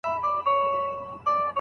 قلم له کومو کسانو څخه پورته سوی دی؟